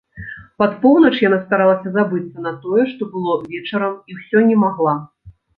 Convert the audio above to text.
Пад поўнач яна старалася забыцца на тое, што было вечарам, і ўсё не магла.